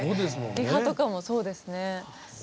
リハとかもそうですね。